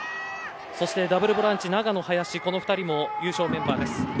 そして、ダブルボランチ長野、林も優勝メンバーです。